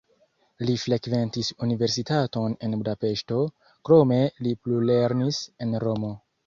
Li frekventis universitaton en Budapeŝto, krome li plulernis en Romo.